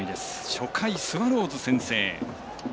初回、スワローズ先制。